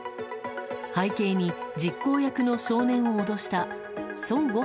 背景に、実行役の少年を脅した孫悟